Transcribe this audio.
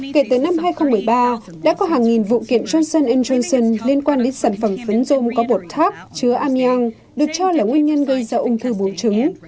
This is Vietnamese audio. kể từ năm hai nghìn một mươi ba đã có hàng nghìn vụ kiện johnson johnson liên quan đến sản phẩm phấn rôm có bột tac chứa amnion được cho là nguyên nhân gây ra ung thư bổ trứng